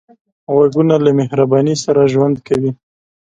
غوږونه له مهرباني سره ژوند کوي